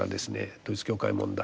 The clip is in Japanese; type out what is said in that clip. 統一教会問題